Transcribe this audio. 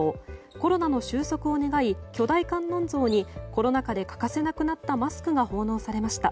コロナの収束を願い巨大観音像にコロナ禍で欠かせなくなったマスクが奉納されました。